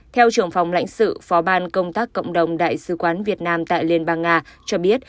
theo trưởng phòng lãnh sự phó ban công tác cộng đồng đại sứ quán việt nam tại liên bang nga cho biết